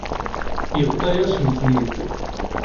Yebḍa-yasen-ten-id.